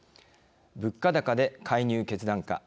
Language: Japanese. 物価高で介入決断か。